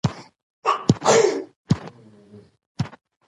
همغه صفتونه ورته منسوبېږي.